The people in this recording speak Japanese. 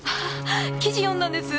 記事読んだんです。